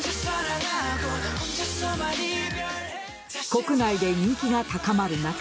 国内で人気が高まる中